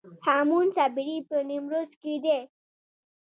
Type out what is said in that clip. هامون صابري په نیمروز کې دی